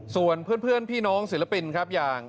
ส่วนเพื่อนพี่น้องศิลปินครับอย่าง